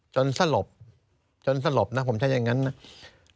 สลบจนสลบนะผมถ้าอย่างนั้นนะ